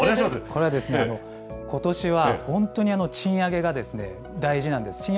これは、ことしは本当に賃上げが大事なんです。